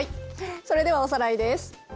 それではおさらいです。